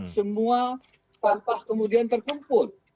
semua tanpa kemudian terkumpul